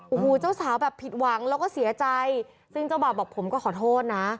โอ้โหเจ้าสาวแบบผิดหวังแล้วก็เสียใจซึ่งเจ้าบ่าวบอกผมก็ขอโทษนะ